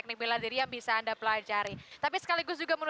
ke ulu hati plus kekemaluan